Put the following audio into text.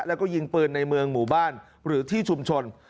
แล้วก็ยิงปืนในเมืองหมู่บ้านหรือที่ชุมชน